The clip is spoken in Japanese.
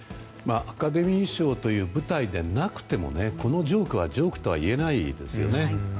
アカデミー賞という舞台でなくてもこのジョークはジョークとは言えないですよね。